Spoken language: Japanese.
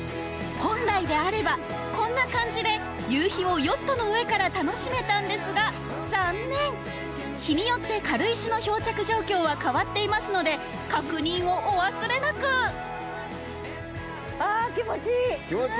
本来であればこんな感じで夕日をヨットの上から楽しめたんですが残念日によって軽石の漂着状況は変わっていますので確認をお忘れなくあ気持ちいい。